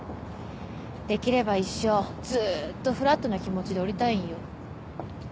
できれば一生ずっとフラットな気持ちでおりたいんよ。